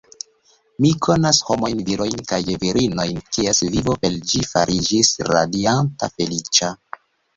Mi konas homojn, virojn kaj virinojn, kies vivo per ĝi fariĝis radianta, feliĉa.